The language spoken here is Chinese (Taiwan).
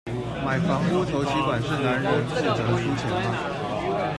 買房屋頭期款是男人負責出錢嗎？